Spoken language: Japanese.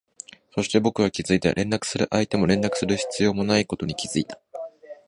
そして、僕は気づいた、連絡する相手も連絡する必要もないことに気づいた